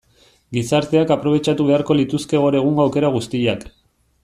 Gizarteak aprobetxatu beharko lituzke gaur egungo aukera guztiak.